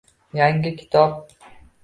Yangi kitob